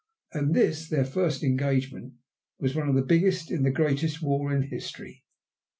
And this their first engagement was one of the biggest in the greatest war in history.